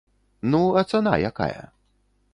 Ну, а цана якая?